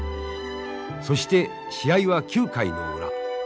そして試合は９回の裏。